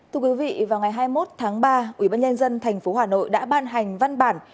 thưa quý vị vào ngày hai mươi một tháng ba ubnd tp hà nội đã ban hành văn bản